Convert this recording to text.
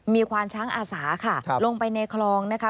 มีควานช้างอาสาค่ะลงไปในคลองนะคะ